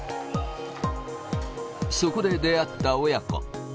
そこで出会った親子。